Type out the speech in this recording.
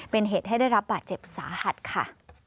เป็นเหตุให้ได้รับบาดเจ็บสาหัสค่ะ